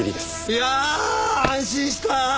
いや安心した！